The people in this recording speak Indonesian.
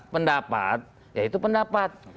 pendapat ya itu pendapat